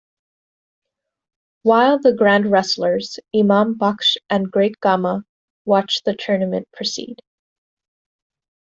While the Grand Wrestlers, Imam Baksh and Great Gama watched the tournament proceed.